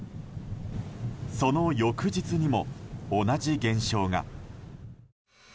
その翌日にも同じ現象が。